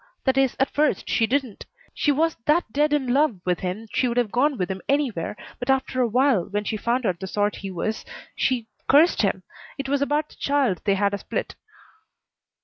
That is, at first she didn't. She was that dead in love with him she would have gone with him anywhere, but after a while, when she found out the sort he was, she cursed him. It was about the child they had a split."